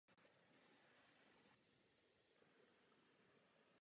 Společnost News Corp vlastní také Fox.